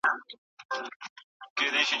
ځينې خلګ د نورو سيستمونو پلي کول غواړي.